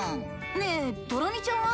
ねえドラミちゃんは？